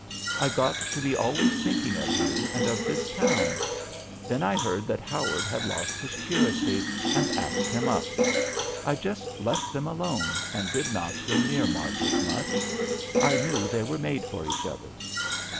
I got to be always thinking of you and of this town. Then I heard that Howard had lost his curacy, and asked him up. I just left them alone and did not go near Margaret much. I knew they were made for each other.